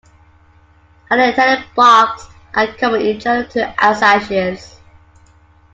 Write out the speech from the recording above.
Highly tannic barks are common in general to acacias.